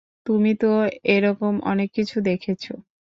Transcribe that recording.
তুমি তো এরকম অনেক কিছু দেখেছ।